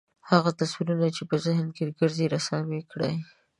هغه تصویرونه چې په ذهن کې ګرځي رسامي کړئ.